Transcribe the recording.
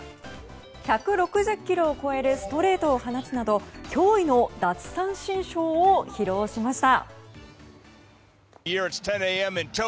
１６０キロを超えるストレートを放つなど驚異の奪三振ショーを披露しました。